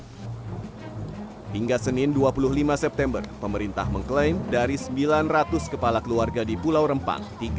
hingga senin dua puluh lima september pemerintah mengklaim dari sembilan ratus kepala keluarga di pulau rempang